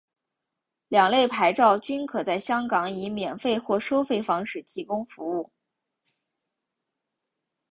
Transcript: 两类牌照均可在香港以免费或收费方式提供服务。